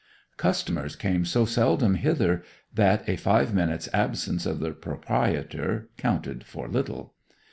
Customers came so seldom hither that a five minutes' absence of the proprietor counted for little.